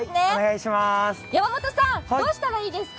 山本さん、どうしたらいいですか？